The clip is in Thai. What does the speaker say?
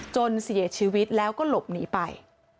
จนเสียชีวิตแล้วก็หลบหนีไป